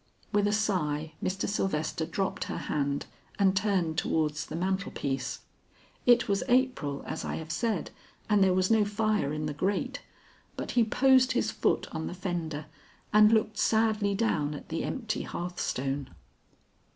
With a sigh Mr. Sylvester dropped her hand and turned towards the mantle piece. It was April as I have said, and there was no fire in the grate, but he posed his foot on the fender and looked sadly down at the empty hearthstone.